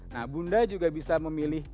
nah bunda juga bisa memilih